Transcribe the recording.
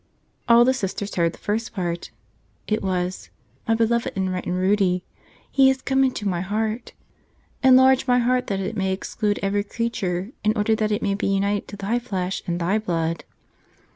All the Sisters heard the first part. It was, ''My Beloved in white and ruddy! He is come into my heart ! Enlarge my heart that it may exclude every creature in order that it may be united to Thy Flesh and Thy Blood